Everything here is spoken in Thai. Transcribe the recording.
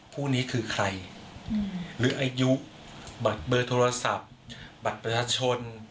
ผู้นี้คือใครหรืออายุบัตรเบอร์โทรศัพท์บัตรประชาชน